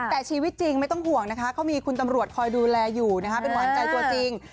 แต่ชีวิตจริงไม่ต้องห่วงนะคะเขามีคุณตำรวจคอยดูแลอยู่นะคะเป็นหวานใจตัวจริง